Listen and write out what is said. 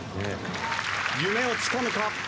夢をつかむか？